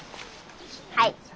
はい。